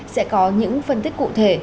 sẽ có những phân tích cụ thể